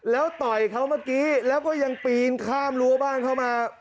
แล้วต่อยเขาเมื่อกี้แล้วก็ยังปีนข้ามรั้วบ้านเข้ามา